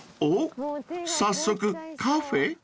［おっ早速カフェ？］